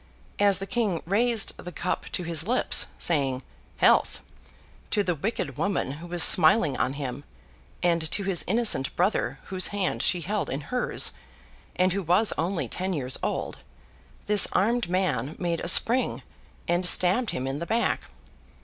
As the King raised the cup to his lips, saying, 'Health!' to the wicked woman who was smiling on him, and to his innocent brother whose hand she held in hers, and who was only ten years old, this armed man made a spring and stabbed him in the back.